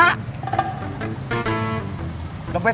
lompat saya juga nggak ada kang